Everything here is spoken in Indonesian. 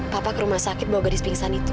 papa ke rumah sakit mau gadis pingsan itu